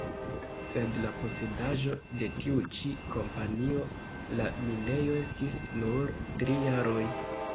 Sed la posedaĵo de tiu ĉi kompanio la minejo estis nur tri jaroj.